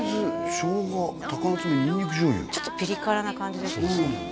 醤油ちょっとピリ辛な感じですね